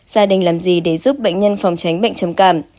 gia đình làm gì để giúp bệnh nhân phòng tránh bệnh trầm cảm